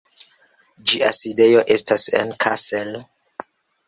Ĝia sidejo estas en Kassel.